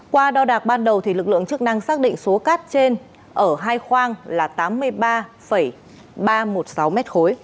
qua đo đạc ban đầu lực lượng chức năng xác định số cát trên ở hai khoang là tám mươi ba ba trăm một mươi sáu m ba